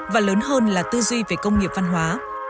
và lớn hơn là tư duy về công nghiệp văn hóa